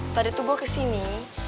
tadi tuh gua kesini